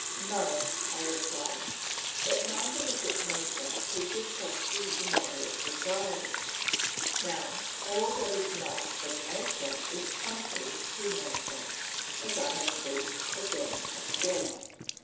No, I reply, but neither is it nature who gives us these immoderate desires. Now, all that is not from nature is contrary to nature, as I have proved again and again.